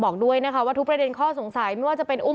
บอกด้วยนะคะว่าทุกประเด็นข้อสงสัยไม่ว่าจะเป็นอุ้ม